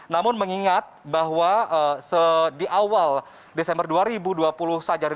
namun mengingat bahwa di awal desember dua ribu dua puluh saja